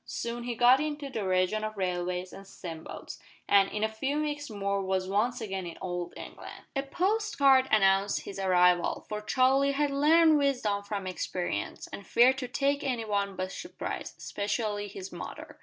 Soon he got into the region of railways and steam boats, and, in a few weeks more was once again in Old England. A post card announced his arrival, for Charlie had learned wisdom from experience, and feared to take any one "by surprise" especially his mother.